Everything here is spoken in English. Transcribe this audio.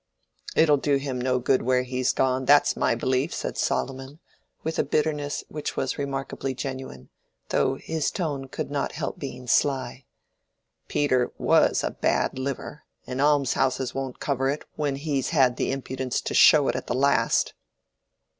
"It'll do him no good where he's gone, that's my belief," said Solomon, with a bitterness which was remarkably genuine, though his tone could not help being sly. "Peter was a bad liver, and almshouses won't cover it, when he's had the impudence to show it at the last."